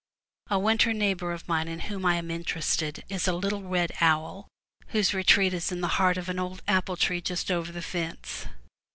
A winter neighbor of mine in whom I am interested, is a little red owl, whose retreat is in the heart of an old apple tree just over the fence.